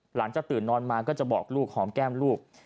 ตื่นนอนมาก็จะบอกลูกหอมแก้มลูก